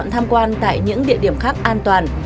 tham quan tại những địa điểm khác an toàn